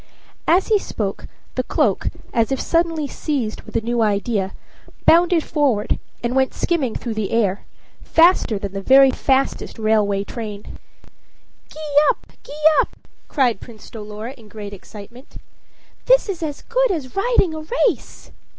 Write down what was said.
As he spoke, the cloak, as if seized suddenly with a new idea, bounded forward and went skimming through the air, faster than the very fastest railway train. "Gee up! gee up!" cried Prince Dolor in great excitement. "This is as good as riding a race."